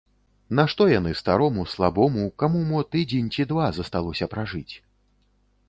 Нашто яны старому, слабому, каму мо тыдзень ці два засталося пражыць?